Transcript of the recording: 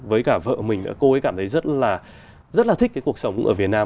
với cả vợ mình đã cô ấy cảm thấy rất là thích cái cuộc sống ở việt nam